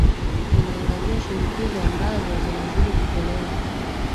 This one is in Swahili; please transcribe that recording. tunaangazia shinikizo ambazo zinazidi kutolewa